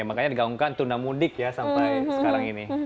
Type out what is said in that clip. makanya digaungkan tuna mudik ya sampai sekarang ini